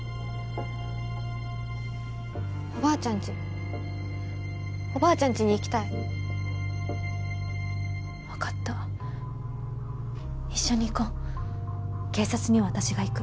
おばあちゃんちおばあちゃんちに行きたい分かった一緒に行こう警察には私が行く